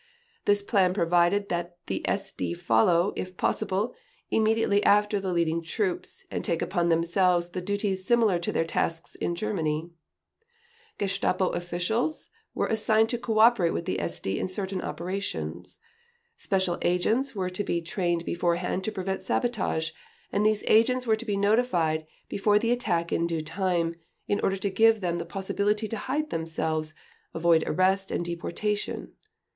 This plan provided that "the SD follow, if possible, immediately after the leading troops, and take upon themselves the duties similar to their tasks in Germany ...." Gestapo officials were assigned to co operate with the SD in certain operations. Special agents were to be trained beforehand to prevent sabotage, and these agents were to be notified "before the attack in due time ... in order to give them the possibility to hide themselves, avoid arrest and deportation